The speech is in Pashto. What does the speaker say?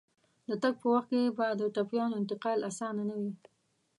د تګ په وخت کې به د ټپيانو انتقال اسانه نه وي.